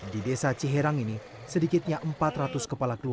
di desa ciherang ini sedikitnya empat ratus kepala keluarga